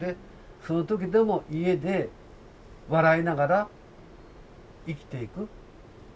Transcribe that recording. その時でも家で笑いながら生きていく。